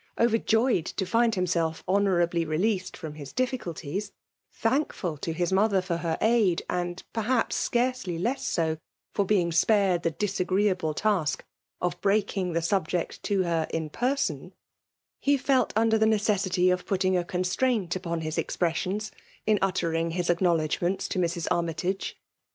Oyerjoyed to find himself honourably released from his difficulties, thankful to his mother for her aid, and, perhaps, scarcely less so for being spared the disagreeable task' of VOL. III. B 3 FEMALE DOMINATIOK. breaking the subject to her in person, he fdt under the necessity of putting a constraint upon his expressions, in uttering his acknow^ lodgments to Mrs* Armytage.